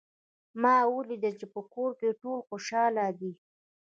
ما ولیدل چې په کور کې ټول خوشحال دي